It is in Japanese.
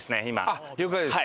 あっ了解です。